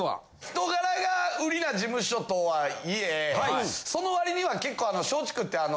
人柄が売りな事務所とはいえその割には結構松竹って。